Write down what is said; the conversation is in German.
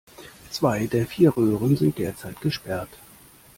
Zwei der vier Röhren sind derzeit gesperrt.